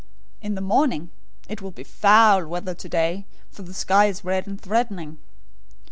016:003 In the morning, 'It will be foul weather today, for the sky is red and threatening.'